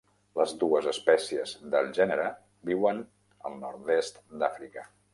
Les dues espècies del gènere viuen al nord-est d'Àfrica.